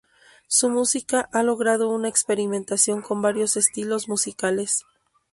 Su música ha logrado una experimentación con varios estilos musicales.